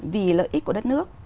vì lợi ích của đất nước